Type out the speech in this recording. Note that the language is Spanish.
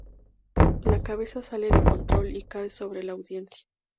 La cabeza sale de control y cae sobre la audiencia.